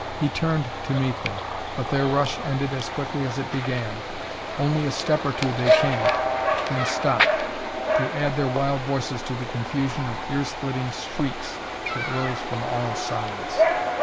He turned to meet them, but their rush ended as quickly as it began: only a step or two they came, then stopped, to add their wild voices to the confusion of ear splitting shrieks that rose from all sides.